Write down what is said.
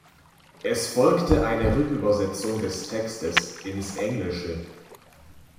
Es folgte eine Rückübersetzung des Textes ins Englische.